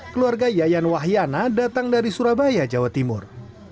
keluarga yayan wahyana datang dari surabaya jawa timur